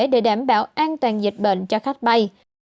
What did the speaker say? để đảm bảo an toàn dịch bệnh cho khách bay